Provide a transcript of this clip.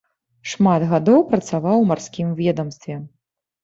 Шмат гадоў працаваў у марскім ведамстве.